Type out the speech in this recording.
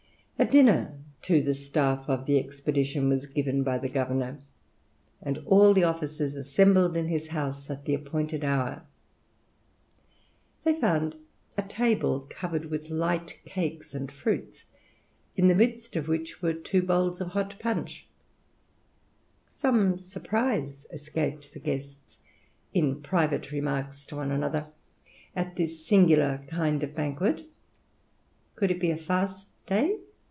A dinner to the staff of the expedition was given by the governor, and all the officers assembled in his house at the appointed hour. They found a table covered with light cakes and fruits, in the midst of which were two bowls of hot punch. Some surprise escaped the guests, in private remarks to one another, at this singular kind of banquet. Could it be a fast day?